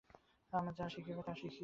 আমরা যাহা শিখিবার, তাহা শিখিয়াছি।